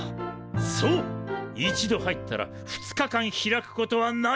そう一度入ったら２日間開くことはない。